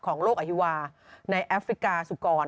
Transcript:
ของโรคอฮิวาในแอฟริกาสุกร